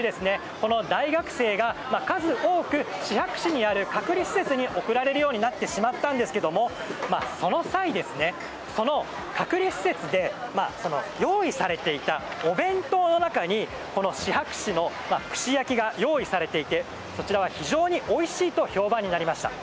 この大学生が数多くシハク市にある隔離施設に送られるようになってしまったんですけどもその際、その隔離施設で用意されていたお弁当の中にシハク市の串焼きが用意されていて、こちらが非常においしいと評判になりました。